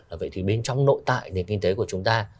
ở vậy thì bên trong nội tại nền kinh tế của chúng ta